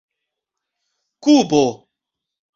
kubo